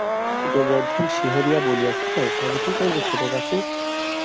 গোবর্ধন শিহরিয়া বলিয়াছিল, তবে কী করবে ছোটবাবু?